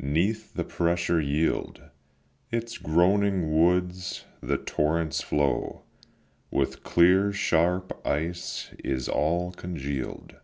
'neath the pressure yield Its groaning woods; the torrents' flow With clear sharp ice is all congeal'd.